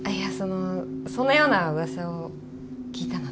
そんなような噂を聞いたので。